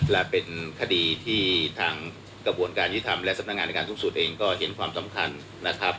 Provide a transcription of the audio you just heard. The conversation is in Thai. และเป็นคดีที่ทางกระบวนการยุทธรรมและสำนักงานในการสูงสุดเองก็เห็นความสำคัญนะครับ